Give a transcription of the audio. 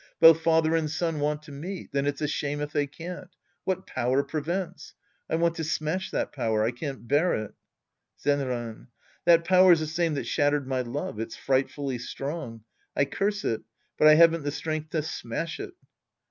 Both father and son want to meet. Then it's a shame if they can't. What power prevents ? I want to smash that power. I can't bear it. Zenran. That power's the same that shattered my love. It's frightfully strong. I curse it. But I haven't the strength to smash it.